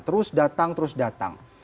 terus datang terus datang